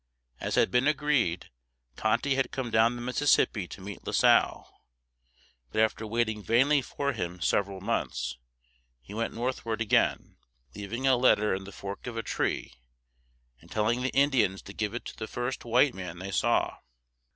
As had been agreed, Tonty had come down the Mississippi to meet La Salle. But after waiting vainly for him several months, he went northward again, leaving a letter in the fork of a tree, and telling the Indians to give it to the first white man they saw.